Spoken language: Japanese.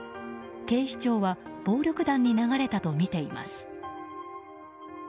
警視庁は暴力団に流れたとみています。